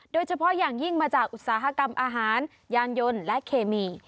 โดยเฉพาะอย่างยิ่งมาจากอุตสาหกรรมอาหารยานยนต์และเคมี